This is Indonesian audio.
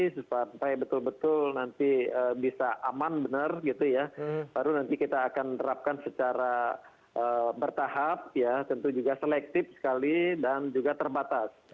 supaya betul betul nanti bisa aman benar gitu ya baru nanti kita akan terapkan secara bertahap ya tentu juga selektif sekali dan juga terbatas